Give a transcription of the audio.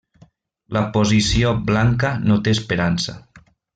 La posició blanca no té esperança.